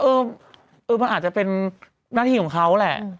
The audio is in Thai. เออมันอาจจะเป็นหน้าที่ของเขาแหละ